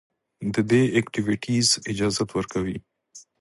د دې ايکټويټيز اجازت ورکوي